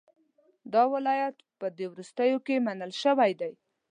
دا ولایت په دې وروستیو کې منل شوی دی.